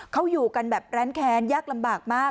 เขาอยู่กันแบบแร้นแค้นยากลำบากมาก